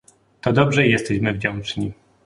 To dobrze i jesteśmy wdzięczni